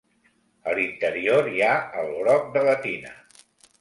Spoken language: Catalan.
A l'interior hi ha el broc de la tina.